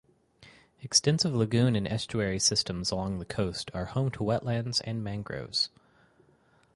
Extensive lagoon and estuary systems along the coast are home to wetlands and mangroves.